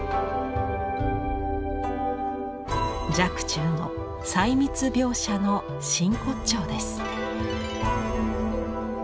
若冲の細密描写の真骨頂です。